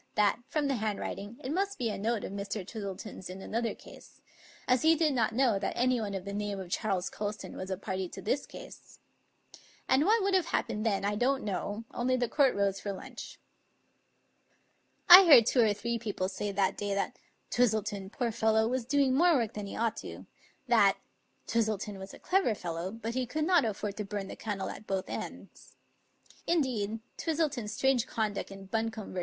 that, from the handwriting, it must be a note of Mr. Twistle ton's in another case ; as he did not know that anyone of the name of Charles Colston was a party to this case. And what would have happened then I don't know; only the court rose for lunch. I heard two or three people say that day that "Twis tleton, poor fellow, was doing more work than he ought to"; that "Twistleton was a clever fellow, but he could not afford to bum the candle at both ends." Indeed, Twis tleton's strange conduct in Buncombe v.